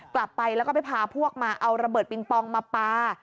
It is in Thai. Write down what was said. กลับไปแล้วก็ไปพาพวกมาเอาระเบิดปิงปองมาปลา